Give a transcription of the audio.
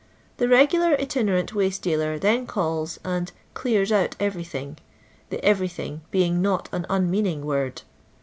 The regular itinerant waste dealer then calls and " clears ont everything" the "everything" being not an un meaning word.